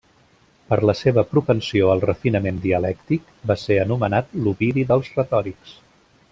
Per la seva propensió al refinament dialèctic va ser anomenat l'Ovidi dels retòrics.